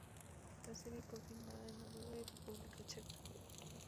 La serie fue filmada en Noruega y República Checa.